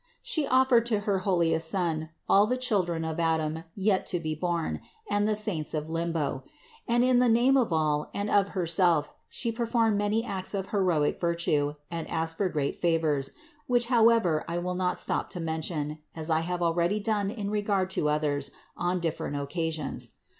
She offered to her holiest Son all the children of Adam yet to be born and the saints of limbo; and in the name of all and of Herself She per formed many acts of heroic virtue and asked for great favors, which however I will not stop to mention, as I have already done in regard to others on different occa sions.